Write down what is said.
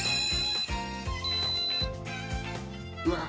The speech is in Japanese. うわっ！